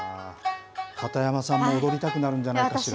片山さんも踊りたくなるんじゃないでしょうか。